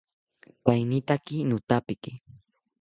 Kainitaki nothapiki